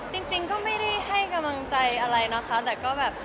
อเรนนี่ย์ค่ะก็จริงก็ไม่ได้ให้กำลังใจอะไรนะคะ